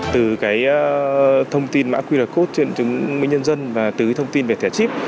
từ cái thông tin mã quy luật cốt trên chứng minh nhân dân và từ cái thông tin về thẻ chip